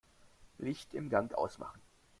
Licht im Gang ausmachen.